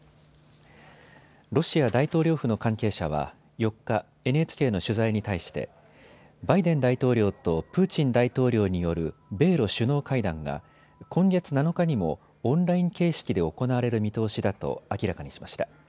ロシア大統領府の関係者は４日、ＮＨＫの取材に対してバイデン大統領とプーチン大統領による米ロ首脳会談が今月７日にもオンライン形式で行われる見通しだと明らかにしました。